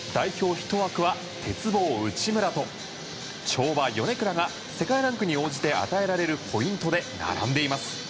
１枠は鉄棒・内村と跳馬・米倉が世界ランクに応じて与えられるポイントで並んでいます。